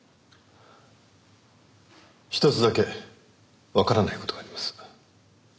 ひとつだけわからない事があります。